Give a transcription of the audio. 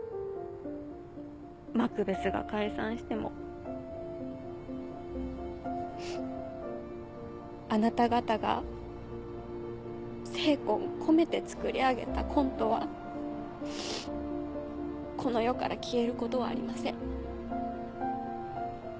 マクベスが解散してもあなた方が精魂込めて作り上げたコントはこの世から消えることはありません。